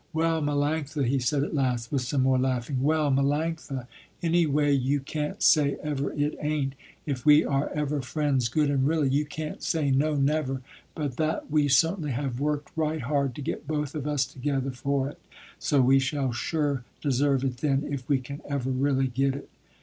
"Well, Melanctha," he said at last, with some more laughing, "well, Melanctha, any way you can't say ever it ain't, if we are ever friends good and really, you can't say, no, never, but that we certainly have worked right hard to get both of us together for it, so we shall sure deserve it then, if we can ever really get it."